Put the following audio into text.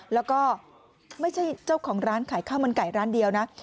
แล้วก็ไม่ใช่เจ้าของร้านขายข้าวมันไก่ร้านเดียวนะ